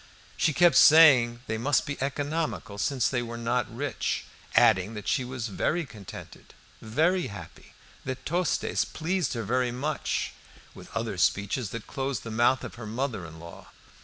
She kept saying they must be economical since they were not rich, adding that she was very contented, very happy, that Tostes pleased her very much, with other speeches that closed the mouth of her mother in law.